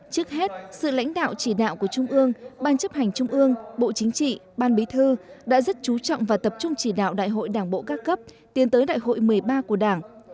trước hết sự lãnh đạo chỉ đạo của trung ương ban chấp hành trung ương bộ chính trị ban bí thư đã rất chú trọng và tập trung chỉ đạo đại hội đảng bộ các cấp tiến tới đại hội một mươi ba của đảng